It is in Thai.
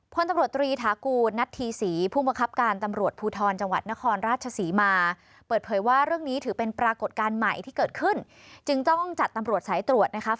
พ่นตำรวจตรีทากู้นัทธีศรี